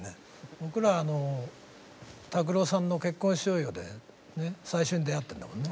僕らあの拓郎さんの「結婚しようよ」で最初に出会ってるんだもんね。